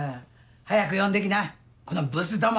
早く呼んで来なこのブスども！